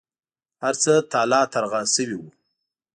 هرڅه تالا ترغه شوي و.